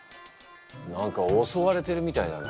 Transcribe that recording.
何かおそわれてるみたいだな。